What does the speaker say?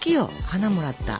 花もらった。